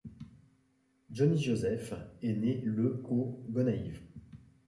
Johnny Joseph est né le aux Gonaïves.